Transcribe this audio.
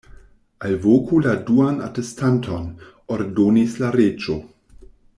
"Alvoku la duan atestanton," ordonis la Reĝo.